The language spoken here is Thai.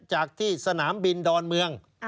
จากที่สนามบินดอนเมือง